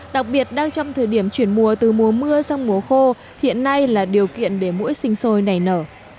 đặc biệt đang trong thời điểm chuyển mùa từ mùa mưa sang mùa khô hiện nay là điều kiện để mũi sinh sôi nảy nở